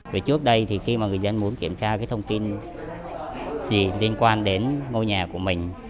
về trước đây thì khi mà người dân muốn kiểm tra cái thông tin gì liên quan đến ngôi nhà của mình